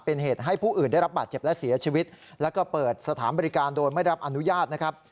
เป็นเหตุให้ผู้อื่นได้รับบาดเจ็บและเสียชีวิตแล้วก็เปิดสถานบริการโดยไม่รับอนุญาตนะครับ